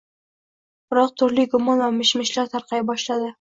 Biroq turli gumon va mishmishlar tarqay boshladi